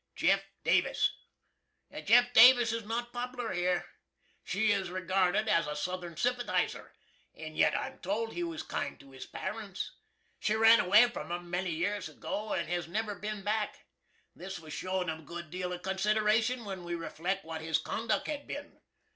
JEFF. DAVIS. Jeff. Davis is not pop'lar here. She is regarded as a Southern sympathizer. & yit I'm told he was kind to his Parents. She ran away from 'em many years ago, and has never bin back. This was showin' 'em a good deal of consideration when we refleck what his conduck has been.